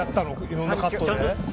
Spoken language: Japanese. いろんなカットで？